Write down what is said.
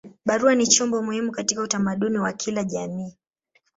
Barua ni chombo muhimu katika utamaduni wa kila jamii.